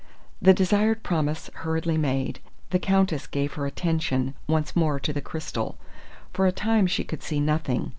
The desired promise hurriedly made, the Countess gave her attention once more to the crystal. For a time she could see nothing.